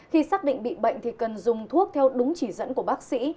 khi xác định bị bệnh thì cần dùng thuốc theo đúng chỉ dẫn của bác sĩ